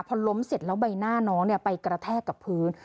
พอล้มเสร็จแล้วใบหน้าน้องไปกระแทกกับพื้น